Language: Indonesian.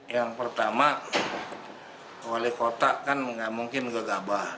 yang pertama wali kota kan nggak mungkin nggak gabah